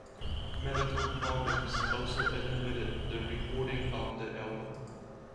Medical problems also inhibited the recording of the album.